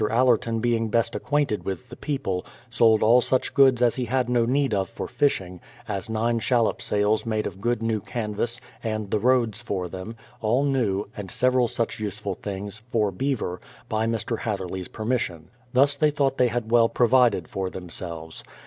Allerton being best ac quainted with the people, sold all such goods as he had no need of for fishing, as nine shallop sails made of good new canvas, and ihe roads for them, all new, and several such useful things, for beaver, by Mr. Hatherley's permission. Thus they thought they had well provided for themselves.